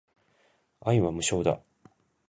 愛は無償だ